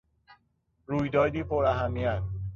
رویدادی پراهمیت